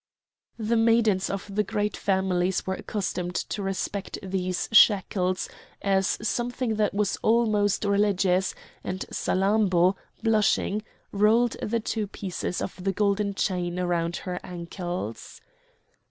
The maidens of the great families were accustomed to respect these shackles as something that was almost religious, and Salammbô, blushing, rolled the two pieces of the golden chain around her ankles.